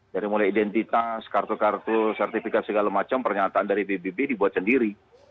dari mulai identitas kartu kartu sertifikat segala macam pernyataan dari pbb dibuat sendiri